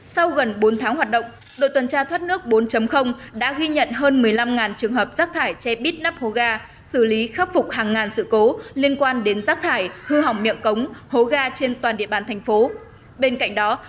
sau gần bốn tháng hoạt động đội tuần tra thoát nước bốn đã ghi nhận hơn một mươi năm trường hợp rác thải cheb nắp hố ga xử lý khắc phục hàng ngàn sự cố liên quan đến rác thải hư hỏng miệng cống hố ga trên toàn địa bàn thành phố